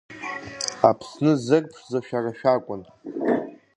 Аԥсны зырԥшӡоз шәара шәакәын.